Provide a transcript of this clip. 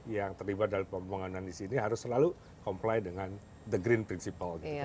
yang terlibat dalam pembangunan di sini harus selalu comply dengan the green principle